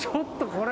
これ。